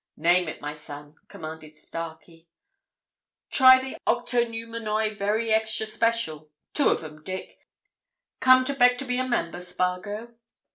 "Name it, my son," commanded Starkey. "Try the Octoneumenoi very extra special. Two of 'em, Dick. Come to beg to be a member, Spargo?"